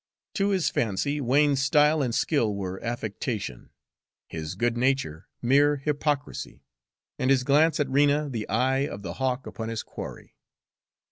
To his fancy, Wain's style and skill were affectation, his good nature mere hypocrisy, and his glance at Rena the eye of the hawk upon his quarry.